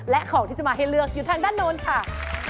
และของที่จะมาให้เลือกอยู่ทางด้านโน้นค่ะ